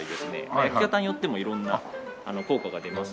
焼き方によっても色んな効果が出ます。